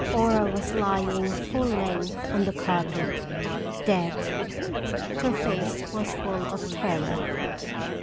Aura was lying full length on the carpet, dead ! Her face was full of terror.